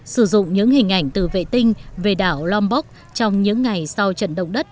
sử dụng những hình ảnh từ vệ tinh về đảo lombok trong những ngày sau trận động đất